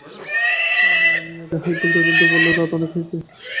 মিয়া হাই তুলতে-তুলতে বলল, রাত অনেক হয়েছে।